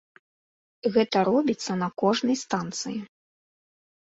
Гэта робіцца на кожнай станцыі.